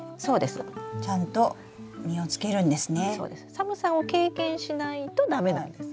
寒さを経験しないと駄目なんです。